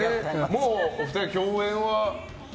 もうお二人、共演は。